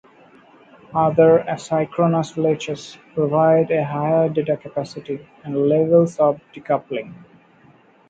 Other asynchronous latches provide a higher data capacity and levels of decoupling.